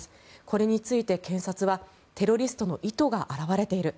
これについて、検察はテロリストの意図が表れている。